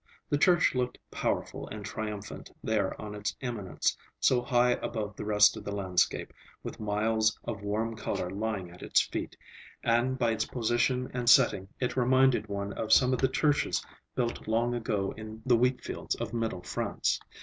The church looked powerful and triumphant there on its eminence, so high above the rest of the landscape, with miles of warm color lying at its feet, and by its position and setting it reminded one of some of the churches built long ago in the wheat lands of middle France.